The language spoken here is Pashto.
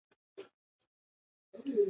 د لیکوال نوم په مقاله کې نه ذکر کیږي.